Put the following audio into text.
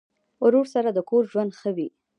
ورور سره د کور ژوند ښه وي.